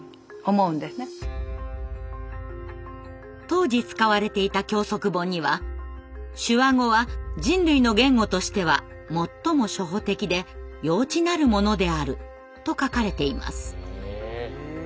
当時使われていた「教則本」には「手話語は人類の言語としては最も初歩的で幼稚なるものである」と書かれています。